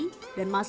dan masih menanggung